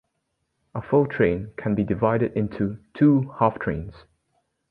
A full train can be divided into two half trains.